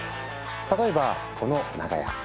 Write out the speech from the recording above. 例えばこの長屋。